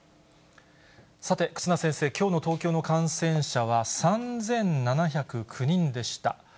さて、忽那先生、きょうの東京の感染者は３７０９人でした。